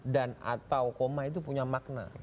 dan atau koma itu punya makna